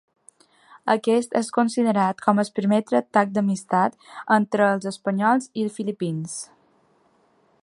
Aquest és considerat com el primer tractat d'amistat entre els espanyols i els filipins.